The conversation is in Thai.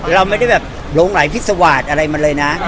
เราไม่ได้แบบโรงไหลพิศวาติอะไรเหมือนเลยนะ